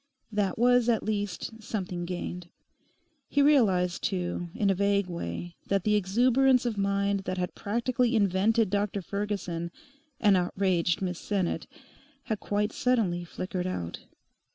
That was at least something gained. He realised, too, in a vague way that the exuberance of mind that had practically invented Dr Ferguson, and outraged Miss Sinnet, had quite suddenly flickered out.